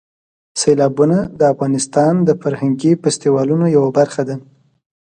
سیلابونه د افغانستان د فرهنګي فستیوالونو یوه برخه ده.